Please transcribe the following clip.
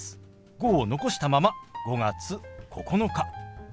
「５」を残したまま「５月９日」。